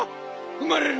うまれる。